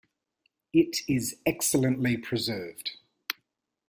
It is excellently preserved.